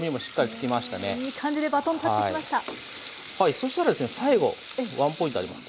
そしたらですね最後ワンポイントあります。